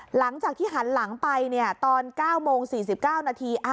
หลังจากที่หันหลังไปตอน๙โมง๔๙นาที